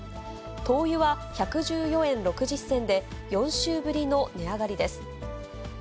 灯油は１１４円６０銭で４週ぶりの値上がりです。